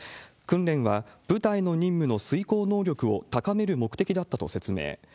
訓練は部隊の任務の遂行能力を高める目的だったと説明。